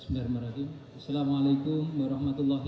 bapak kabit humas polda banten